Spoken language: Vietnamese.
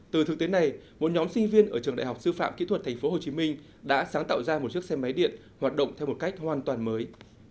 từ thực tế này một nhóm sinh viên ở trường đại học sư phạm kỹ thuật tp hcm đã sáng tạo ra một chiếc xe máy điện hoạt động theo một cách hoàn toàn mới